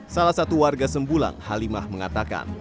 salah satu warga sembulang halimah mengatakan